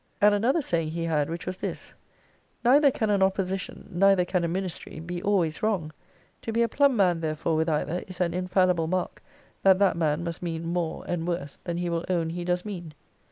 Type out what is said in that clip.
And another saying he had, which was this: 'Neither can an opposition, neither can a ministry, be always wrong. To be a plumb man therefore with either, is an infallible mark, that that man must mean more and worse than he will own he does mean.'